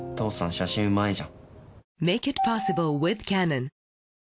写真うまいじゃん。